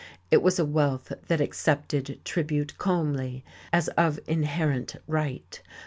It was a wealth that accepted tribute calmly, as of inherent right.